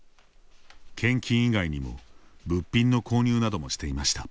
献金以外にも物品の購入などもしていました。